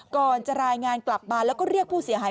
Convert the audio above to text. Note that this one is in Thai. ก่อนจะรายงานกลับมาแล้วก็เรียกผู้เสียหาย